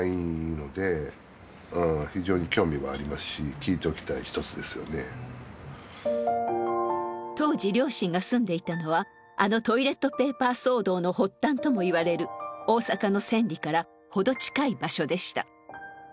今回当時両親が住んでいたのはあのトイレットペーパー騒動の発端ともいわれる「大阪の千里」から程近い場所でした。